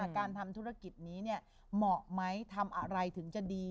การทำธุรกิจนี้เหมาะไหมทำอะไรถึงจะดี